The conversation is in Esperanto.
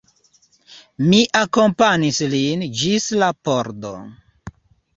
Mi akompanis lin ĝis la pordo.